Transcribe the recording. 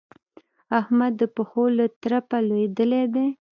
احمد د پښو له ترپه لوېدلی دی.